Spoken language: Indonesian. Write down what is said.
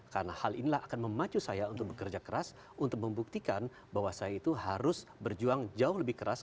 karena hal inilah akan memacu saya untuk bekerja keras untuk membuktikan bahwa saya itu harus berjuang jauh lebih keras